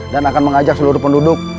dan akan mengajak seluruh penduduk